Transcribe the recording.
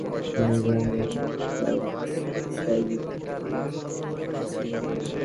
তার ভার্জিন কান কে এসব বলা ঠিক হবে না তোমার।